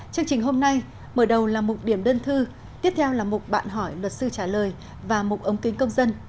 chương trình hôm nay mở đầu là mục điểm đơn thư tiếp theo là mục bạn hỏi luật sư trả lời và mục ống kính công dân